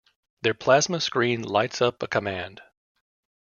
Their plasma screen lights up a command.